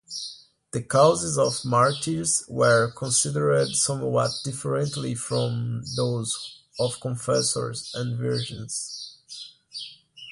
The causes of martyrs were considered somewhat differently from those of confessors and virgins.